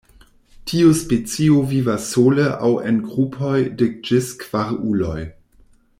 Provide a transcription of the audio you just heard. Tiu specio vivas sole aŭ en grupoj de ĝis kvar uloj.